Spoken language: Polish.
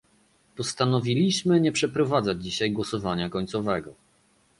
Postanowiliśmy nie przeprowadzać dzisiaj głosowania końcowego